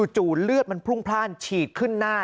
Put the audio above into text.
เลือดมันพรุ่งพล่านฉีดขึ้นหน้า